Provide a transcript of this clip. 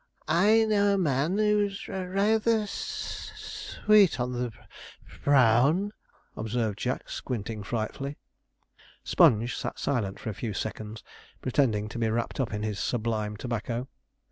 'I know a man who's rayther s s s sweet on the b b br brown,' observed Jack, squinting frightfully. Sponge sat silent for a few seconds, pretending to be wrapt up in his 'sublime tobacco.'